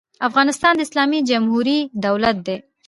افغانستان د اسلامي جمهوري دولت دی.